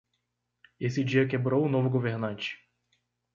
Esse dia quebrou o novo governante.